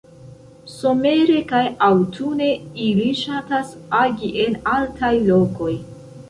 Somere kaj aŭtune ili ŝatas agi en altaj lokoj.